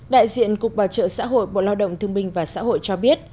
đại diện cục bảo trợ xã hội bộ lao động thương minh và xã hội cho biết